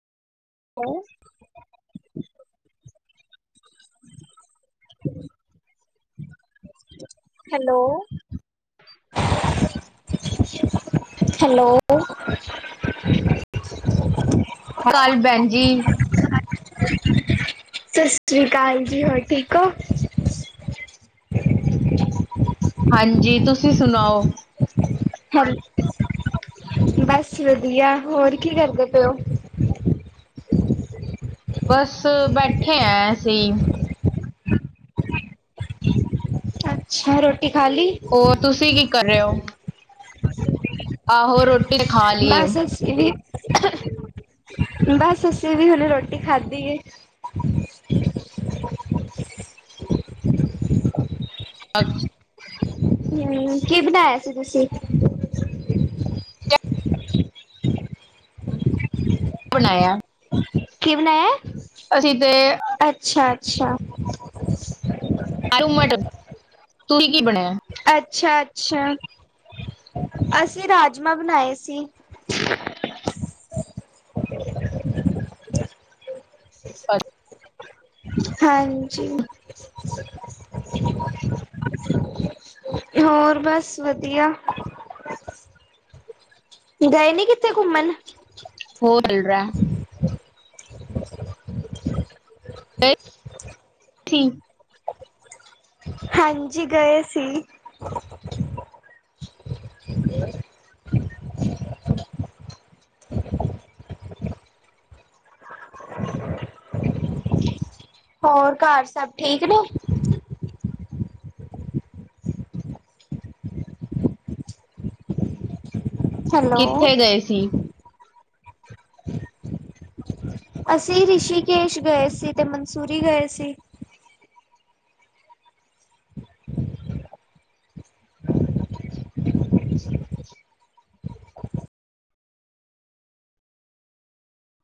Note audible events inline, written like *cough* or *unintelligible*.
ਹੈਂ, *inaudible* hello, *unintelligible* hello, ਅਕਾਲ ਭੈਣਜੀ, ਸਤਿ ਸ੍ਰੀ ਅਕਾਲ ਜੀ ਹੋਰ ਠੀਕ ਹੋ? ਹਾਂਜੀ ਤੁਸੀਂ ਸੁਣਾਓ? ਹ ਬਸ ਵਧੀਆ, ਹੋਰ ਕੀ ਕਰਦੇ ਪਏ ਹੋ? ਬਸ ਬੈਠੇ ਆ ਅਸੀਂ। ਅੱਛਾ, ਰੋਟੀ ਖਾ ਲੀ, ਹੋਰ ਤੁਸੀਂ ਕੀ ਕਰ ਰਹੇ ਹੋ? *inaudible* ਆਹੋ ਰੋਟੀ ਖਾ ਲਈ। ਬਸ ਬਸ ਅਸੀਂ ਵੀ ਹੁਣੇ ਰੋਟੀ ਖਾਧੀ ਹੈ। ਅ ਹੂੰ, ਕੀ ਬਣਾਇਆ ਸੀ ਤੁਸੀਂ? ਬਣਾਇਆ ਕਿ ਬਣਾਇਆ ਹੈ, ਅਸੀਂ ਤੇ ਅੱਛਾ-ਅੱਛਾ। ਆਲੂ ਮਟਰ ਤੁਸੀਂ ਕੀ ਬਣਾਇਆ? ਅੱਛਾ-ਅੱਛਾ, ਅਸੀਂ ਰਾਜਮਾਂ ਬਣਾਏ ਸੀ। ਅ ਹਾਂਜੀ। ਹੋਰ ਬਸ ਵਧੀਆ। ਗਏ ਨੀ ਕਿੱਥੇ ਘੁੰਮਣ, ਹੋਰ ਲਰਾ ਠੀ ਹਾਂਜੀ, ਗਏ ਸੀ। ਹੋਰ ਘਰ ਸਭ ਠੀਕ ਨੇ? ਹੈਲੋ। ਕਿੱਥੇ ਗਏ ਸੀ ਅਸੀਂ ਰਿਸ਼ੀਕੇਸ਼ ਗਏ ਸੀ ਤੇ ਮਨਸੂਰੀ ਗਏ ਸੀ।